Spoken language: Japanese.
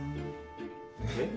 えっ？